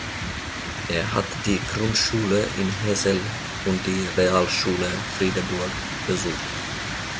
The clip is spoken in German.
Er hat die Grundschule in Hesel und die Realschule Friedeburg besucht.